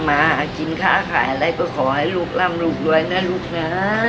มาหากินค้าขายอะไรก็ขอให้ลูกร่ำลูกด้วยนะลูกนะ